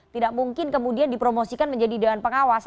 tidak mungkin kemudian dipromosikan menjadi dewan pengawas